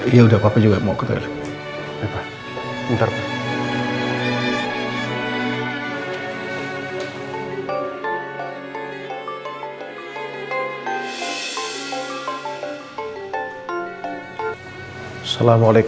iya udah papa juga mau ke toilet